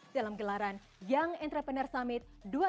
dalam gelaran young entrepreneur summit dua ribu sembilan belas